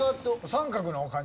三角の感じ？